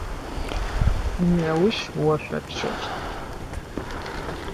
Неущ ошъопщэщт.